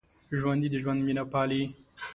ژوندي د ژوند مینه پالي